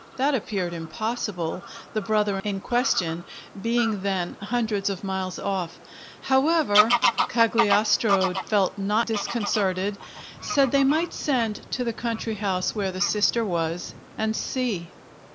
That appeared impossible, the brother in question being then hundreds of miles off; however, Cagliostro felt not disconcerted; said they might send to the country house where the sister was, and see.